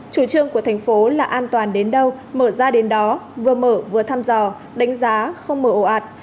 chủ trương của thành phố là an toàn đến đâu mở ra đến đó vừa mở vừa thăm dò đánh giá không mở ổ ạt